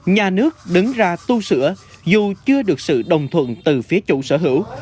nhà nước đứng ra tu sửa dù chưa được sự đồng thuận từ phía chủ sở hữu